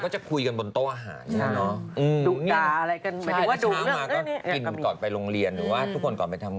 เช่นคนนี้ตักข้าวคนนี้เก็บจานคนนี้ล้างจาน